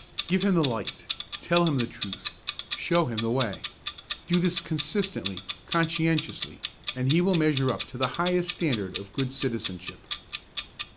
Give him the light, tell him the truth, show him the way. Do this consistently, conscientiously, and he will measure up to the highest standard of good citizenship.